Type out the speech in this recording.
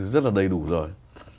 rất là đầy đủ rồi